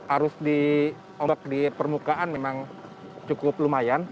arus di ombak di permukaan memang cukup lumayan